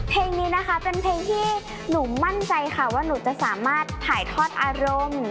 เพลงนี้นะคะเป็นเพลงที่หนูมั่นใจค่ะว่าหนูจะสามารถถ่ายทอดอารมณ์